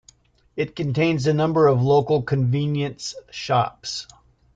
It contains a number of local convenience shops.